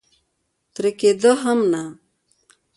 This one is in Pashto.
ترې کېده یې هم نه.